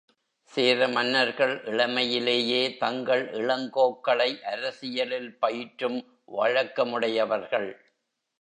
சேர மன்னர்கள் இளமையிலேயே தங்கள் இளங்கோக்களை அரசியலில் பயிற்றும் வழக்க முடையவர்கள்.